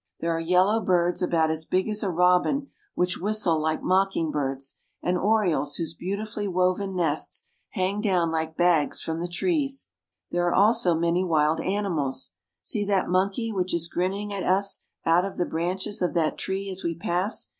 There are yellow birds about as big as a robin, which whistle Hke mocking birds, and orioles whose beautifully woven nests hang down like bags from the trees. There are also many wild animals. See that monkey which is grinning at us out of the branches of that tree as we pass.